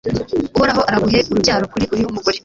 uhoraho araguhe urubyaro kuri uyu mugore